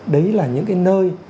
đấy là những cái nơi